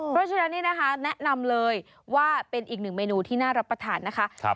เพราะฉะนั้นนี่นะคะแนะนำเลยว่าเป็นอีกหนึ่งเมนูที่น่ารับประทานนะคะ